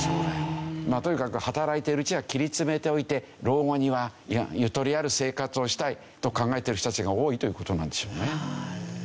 まあとにかく働いているうちは切り詰めておいて老後にはゆとりある生活をしたいと考えてる人たちが多いという事なんでしょうね。